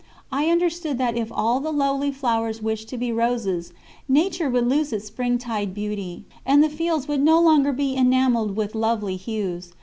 I understood that if all the lowly flowers wished to be roses, nature would lose its springtide beauty, and the fields would no longer be enamelled with lovely hues.